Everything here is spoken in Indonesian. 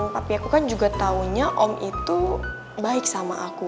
tapi aku kan juga taunya om itu baik sama aku